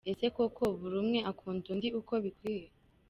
Ese koko buri umwe akunda undi uko bikwiye.